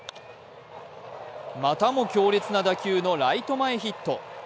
またも強烈な打球のライト前ヒット。